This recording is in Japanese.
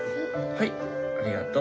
はいありがと。